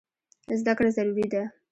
زده کړه ضروري ده.